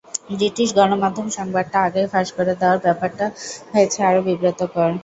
British গণমাধ্যম সংবাদটা আগেই ফাঁস করে দেওয়ায় ব্যাপারটা হয়েছে আরও বিব্রতকর।